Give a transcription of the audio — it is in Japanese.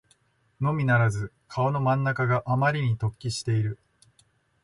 のみならず顔の真ん中があまりに突起している